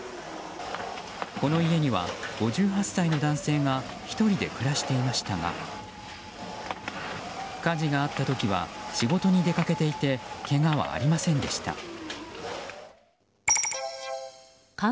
この家には５８歳の男性が１人で暮らしていましたが火事があった時は仕事に出かけていてけがはありませんでした。